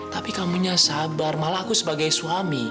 tapi kamu nya sabar malah aku sebagai suami